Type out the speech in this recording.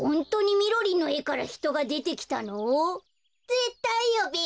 ぜったいよべ。